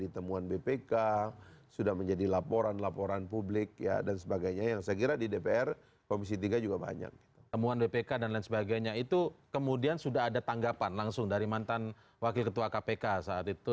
terima kasih pak faris